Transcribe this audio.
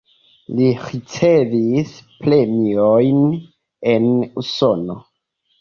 Li ricevis premiojn en Usono.